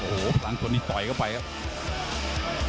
โอ้พลังชนนี้ต่อยเขากับไป